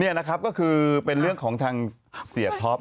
นี่นะครับก็คือเป็นเรื่องของทางเสียท็อป